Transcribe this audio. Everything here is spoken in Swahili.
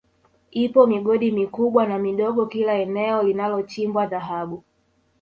Ipo migodi mikubwa na midogo kila eneo linalochimbwa Dhahabu